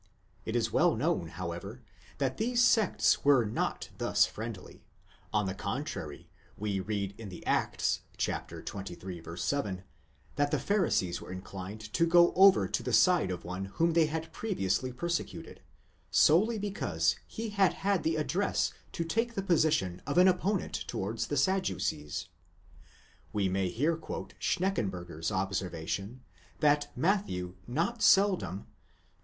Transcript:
It is well known, however, that these sects were not thus friendly ; on the contrary, we read in the Acts (xxiii. 7), that the Pharisees were inclined to go over to the side of one whom they had previously persecuted, solely because he had had the address to take the posi tion of an opponent towards the Sadducees. We may here quote Schneck enburger's observation,*! that Matthew not seldom (iii.